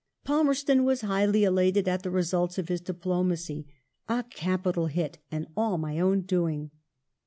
Pal merston was highly elated at the results of his diplomacy :" a capital hit and all my own doing